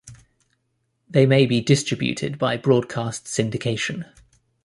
They may be distributed by broadcast syndication.